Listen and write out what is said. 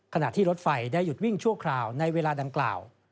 ขณะที่รถไฟได้หยุดวิ่งชั่วคราวในเวลาดังกล่าว